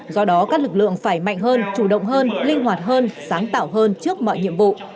do đó các lực lượng phải mạnh hơn chủ động hơn linh hoạt hơn sáng tạo hơn trước mọi nhiệm vụ